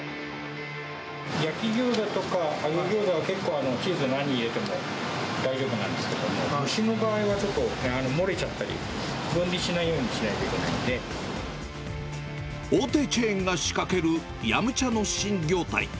焼きギョーザとか、揚げギョーザとかは、結構、チーズ何入れても大丈夫なんですけども、蒸しの場合はちょっと漏れちゃったり、分離しないようにしないと大手チェーンが仕掛ける飲茶の新業態。